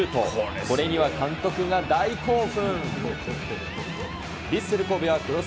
これには監督が大興奮。